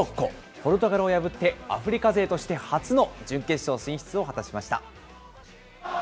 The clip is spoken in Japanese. ポルトガルを破って、アフリカ勢として初の準決勝進出を果たしました。